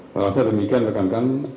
baik makasih demikian rekan rekan